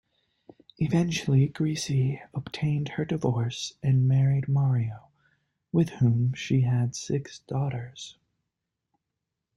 Eventually, Grisi obtained her divorce and married Mario, with whom she had six daughters.